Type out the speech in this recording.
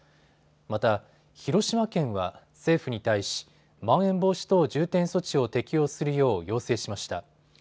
また広島県は政府に対しまん延防止等重点措置を適用するよう要請しました。